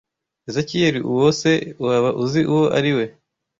Ezekiyeli uwo se waba uzi uwo ari we